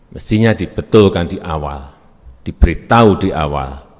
mestinya dibetulkan di awal diberitahu di awal